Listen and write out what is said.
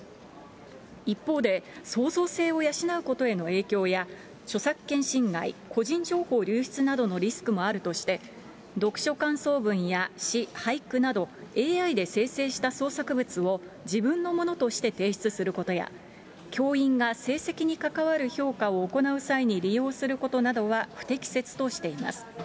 一方で、創造性を養うことへの影響や、著作権侵害、個人情報流出などのリスクもあるとして、読書感想文や詩、俳句など、ＡＩで生成した創作物を自分のものとして提出することや、教員や成績に関わる評価を行う際に利用することなどは不適切としています。